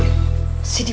ya udah deh bik